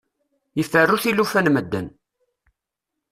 Iferru tilufa n medden.